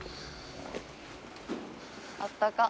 あったか。